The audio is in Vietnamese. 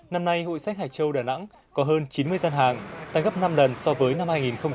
năm nay hội sách hải châu đà nẵng có hơn chín mươi gian hàng tăng gấp năm lần so với năm hai nghìn một mươi